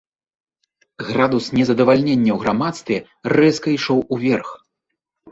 Градус незадавальнення ў грамадстве рэзка ішоў уверх.